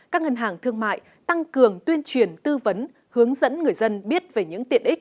các ngân hàng thương mại tăng cường tuyên truyền tư vấn hướng dẫn người dân biết về những tiện ích